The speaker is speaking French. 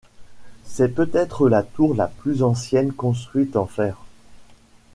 C'est peut-être la tour la plus ancienne construite en fer.